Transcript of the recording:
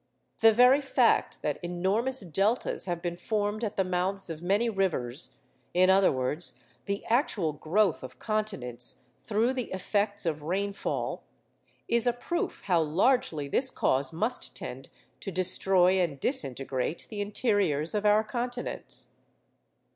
The very fact that enormous deltas have been formed at the mouths of many rivers—in other words, the actual growth of continents through the effects of rainfall—is a proof how largely this cause must tend to destroy and disintegrate the interiors of our continents.